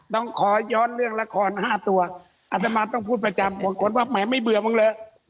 ต้องขอย้อนเรื่องละคร๕ตัวอัตมาต้องพูดประจำบางคนว่าแหมไม่เบื่อมึงเลย